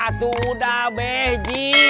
atu udah beji